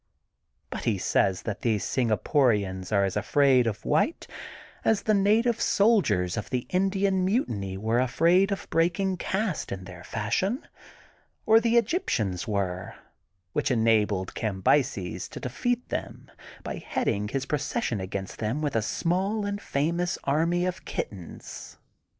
But he says that these Singaporians are as afraid of white as the native soldiers of the Indian mutiny were afraid of breaking cast in their fashion, or the Egyptians were, — which enabled Cambyses to defeat them by heading his procession against them with a small and famous army of kittens.